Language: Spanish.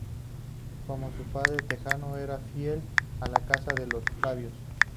Como su padre, Trajano era fiel a la casa de los Flavios.